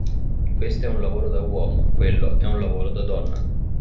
Questo è un lavoro da uomo, quello è un lavoro da donna.